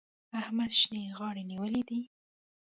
احمد شينې غاړې نيولی دی.